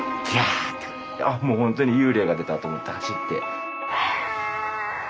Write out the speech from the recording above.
あもう本当に幽霊が出たと思って走って。